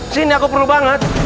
sini aku perlu banget